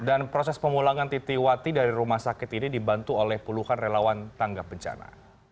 dan proses pemulangan titi wati dari rumah sakit ini dibantu oleh puluhan relawan tanggap bencana